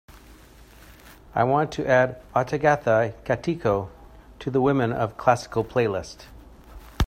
I want to add Ottagathai Kattiko to the women of classical playlist.